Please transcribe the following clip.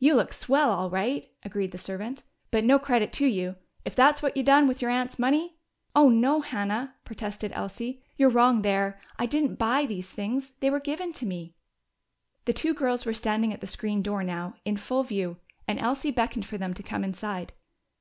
"You look swell, all right," agreed the servant. "But no credit to you! If that's what you done with your aunt's money " "Oh, no, Hannah!" protested Elsie. "You're wrong there. I didn't buy these things. They were given to me." The two girls were standing at the screen door now, in full view, and Elsie beckoned for them to come inside.